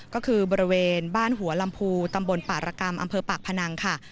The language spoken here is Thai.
ก็คือบริเวณบ้านหัวลำพูตำบลป่ารกรรมอำเภอปากพนังค่ะ